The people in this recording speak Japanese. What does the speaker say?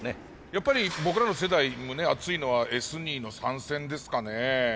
やっぱり僕らの世代胸熱いのはＳニーの参戦ですかね。